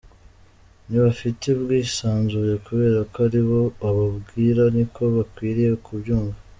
Ntibafite ubwisanzure kubera ko ari ko ubabwira niko bakwiriye kubyumva.